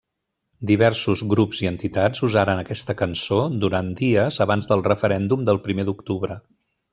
Diversos grups i entitats usaren aquesta cançó durant dies abans del referèndum del primer d'octubre.